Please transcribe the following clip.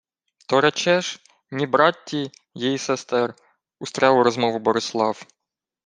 — То речеш: ні братті, їй сестер? — устряв у розмову Борислав.